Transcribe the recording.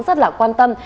rất là quan tâm